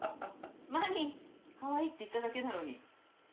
マミかわいいって言っただけなのに。